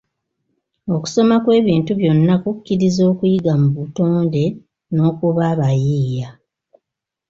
Okusoma kw'ebintu byonna kukkiriza okuyiga mu butonde n'okuba abayiiya.